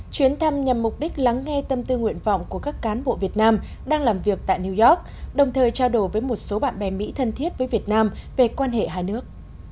chuyến thăm nhằm mục đích lắng nghe tâm tư nguyện vọng của các cán bộ việt nam đang làm việc tại new york đồng thời trao đổi với một số bạn bè mỹ thân thiết với việt nam về quan hệ hai nước